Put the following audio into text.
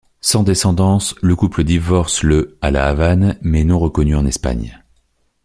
Sans descendance, le couple divorce le à La Havane, mais non reconnue en Espagne.